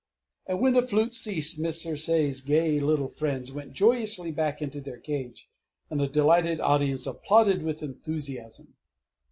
And when the flute ceased Miss Circé's gay little friends went joyously back into their Cage, and the delighted audience applauded with enthusiasm.